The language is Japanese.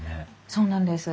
そうなんです。